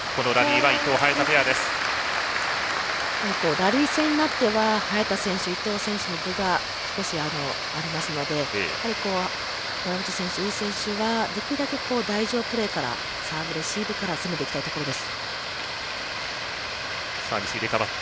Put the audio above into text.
ラリー戦になっては早田選手、伊藤選手に分が少しありますので成本選手、井選手はできるだけ台上プレーからサーブ、レシーブから攻めていきたいところです。